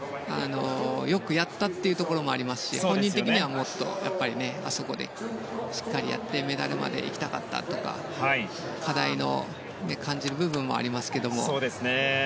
よくやったというところもありますし、本人的にはあそこでしっかりやってメダルまで行きたかったとか課題を感じる部分もありますけれども。